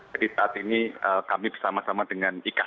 jadi saat ini kami bersama sama dengan ika